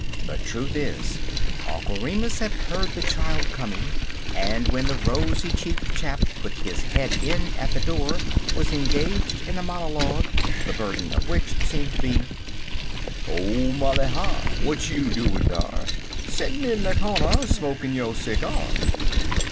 The truth is, Uncle Remus had heard the child coming, and, when the rosy cheeked chap put his head in at the door, was engaged in a monologue, the burden of which seemed to be "Ole Molly Har', W'at you doin' dar, Settin' in de cornder Smokin' yo' seegyar?"